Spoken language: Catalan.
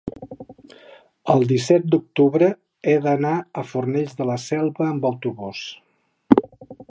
el disset d'octubre he d'anar a Fornells de la Selva amb autobús.